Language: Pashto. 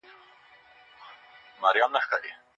وطن د هر بې وسه لپاره یوه پناه ده.